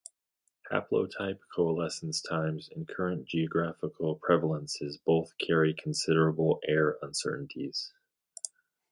Haplotype coalescence times and current geographical prevalences both carry considerable error uncertainties.